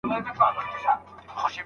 فکري بدلون د پرمختګ لومړی ګام دی.